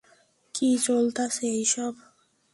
কি চলতাছে এইসব?